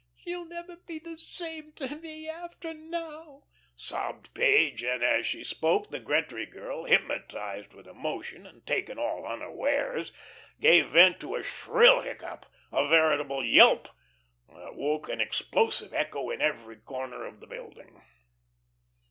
"She'll never be the same to me after now," sobbed Page, and as she spoke the Gretry girl, hypnotised with emotion and taken all unawares, gave vent to a shrill hiccough, a veritable yelp, that woke an explosive echo in every corner of the building.